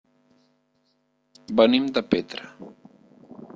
Venim de Petra.